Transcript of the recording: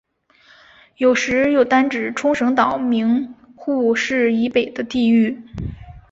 有时又单指冲绳岛名护市以北的地域。